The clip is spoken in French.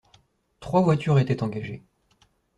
Trois voitures étaient engagées.